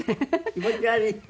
気持ち悪いね。